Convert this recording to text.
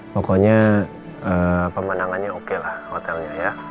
pokoknya pemandangannya oke lah hotelnya ya